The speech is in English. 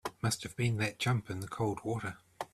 Must have been that jump in the cold water.